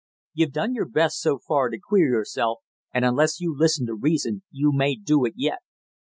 You've done your best so far to queer yourself, and unless you listen to reason you may do it yet."